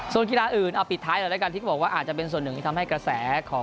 ส่วนกีฬาอื่นเอาปิดท้ายแล้วด้วยกันที่ก็บอกว่าอาจจะเป็นส่วนหนึ่งที่ทำให้กระแสของฟุตบอลไทยอีกลดลง